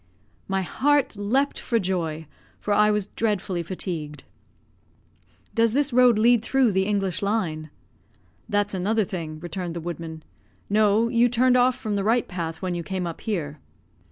My heart leaped for joy, for I was dreadfully fatigued. "Does this road lead through the English Line?" "That's another thing," returned the woodman. "No, you turned off from the right path when you came up here."